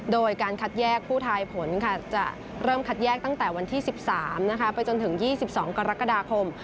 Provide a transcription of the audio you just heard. โดยการคัดแยกผู้ทายผลจะเริ่มคัดแยกตั้งแต่วันที่๑๓ไปจนถึง๒๒กรกฎาคม